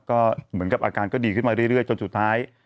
ก็เหมือนกับอาการก็ดีขึ้นมาเรื่อยจนสุดท้าย